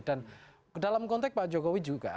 dan dalam konteks pak jokowi juga